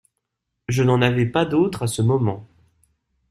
Je n'en avais pas d'autre à ce moment.